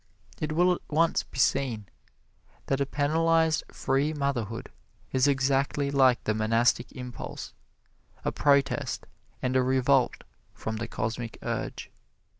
It will at once be seen that a penalized free motherhood is exactly like the Monastic Impulse a protest and a revolt from the Cosmic Urge.